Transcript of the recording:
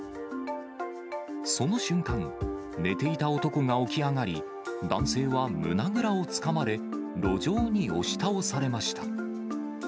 その瞬間、寝ていた男が起き上がり、男性は胸倉をつかまれ、路上に押し倒されました。